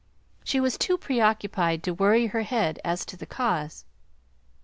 She was too preoccupied to worry her head as to the cause.